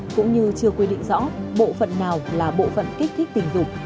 cũng như chưa quy định rõ bộ phận nào là bộ phận kích thích tình dục